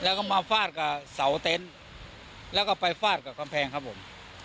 แล้วก็มาฟาดกับเสาเต็นต์แล้วก็ไปฟาดกับกำแพงครับผม